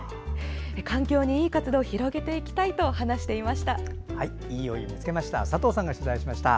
環境にいい活動を広げていきたいと話していました。